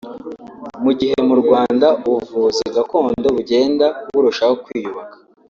Mu gihe mu Rwanda ubuvuzi gakondo bugenda burushaho kwiyubaka